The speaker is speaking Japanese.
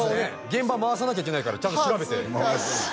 現場回さなきゃいけないからちゃんと調べて恥ずかしい